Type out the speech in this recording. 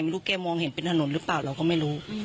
แกมองเห็นเป็นถนนหรือเปล่าเราก็ไม่รู้